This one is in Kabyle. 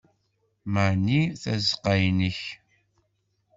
Mani tazeqqa-nnek?